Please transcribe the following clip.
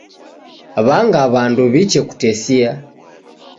W'anga w'andu w'iche kutesia.